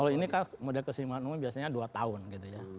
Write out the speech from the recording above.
kalau ini kan model keseimbangan umum biasanya dua tahun gitu ya